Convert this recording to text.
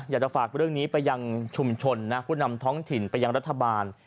อยากจะฝากเรื่องนี้ไปยังชุมชนนะผู้นำท้องถิ่นไปยังรัฐบาล